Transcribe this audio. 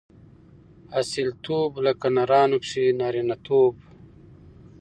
اصیلتوب؛ لکه نرانو کښي نارينه توب.